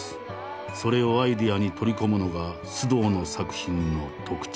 それをアイデアに取り込むのが須藤の作品の特徴。